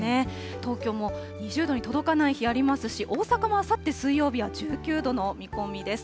東京も２０度に届かない日ありますし、大阪もあさって水曜日は１９度の見込みです。